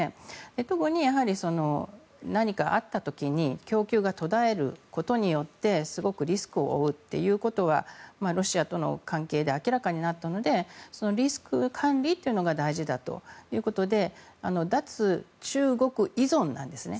特に、何かあった時に供給が途絶えることによってすごくリスクを負うっていうことはロシアとの関係で明らかになったのでそのリスク管理というのが大事だということで脱中国依存なんですね。